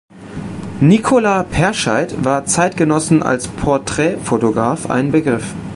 Nicola Perscheid war Zeitgenossen als Porträtfotograf ein Begriff.